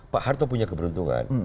pak harto punya keberuntungan